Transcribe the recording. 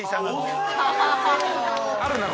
◆あるな！